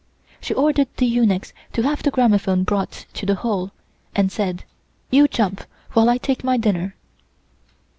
She ordered the eunuchs to have the gramophone brought to the hall, and said: "You jump while I take my dinner."